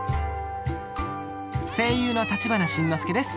声優の立花慎之介です。